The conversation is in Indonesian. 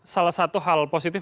salah satu hal positif